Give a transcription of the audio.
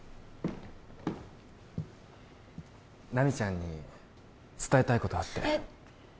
奈未ちゃんに伝えたいことあってえっ